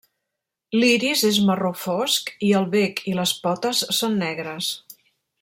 L'iris és marró fosc, i el bec i les potes són negres.